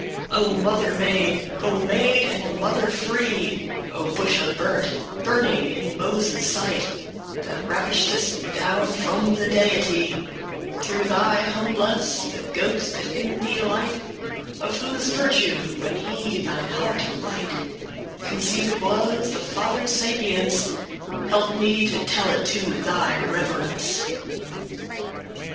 * *help O mother maid, O maid and mother free!* *bounteous O bush unburnt, burning in Moses' sight, That ravished'st down from the deity, Through thy humbless, the ghost that in thee light; <4> Of whose virtue, when he thine hearte light,* *lightened, gladdened Conceived was the Father's sapience; Help me to tell it to thy reverence.